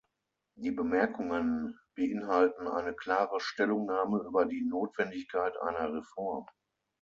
Die Bemerkungen beinhalten eine klare Stellungnahme über die Notwendigkeit einer Reform.